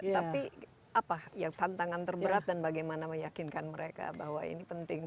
tapi apa tantangan terberat dan bagaimana meyakinkan mereka bahwa ini penting